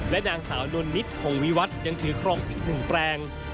และนางสาวนวลนิธห่องวิวัตยังถือคลองอีก๑แปลง